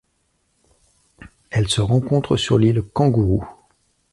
Elle se rencontre sur l'île Kangourou.